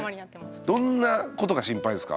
どんなことが心配ですか？